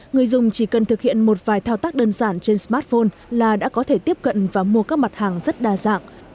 người dùng chỉ cần thực hiện một vài thao tác đơn giản trên smartphone là đã có thể tiếp cận và mua các mặt hàng rất đa dạng